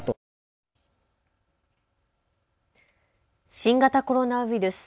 新型コロナウイルス。